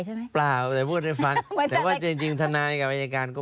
เปล่าแต่พูดให้ฟังแต่ว่าจริงจริงทนายกับอายการก็